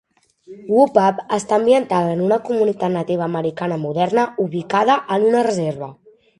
"Whoop-Up" està ambientada en una comunitat nativa americana moderna ubicada en una reserva.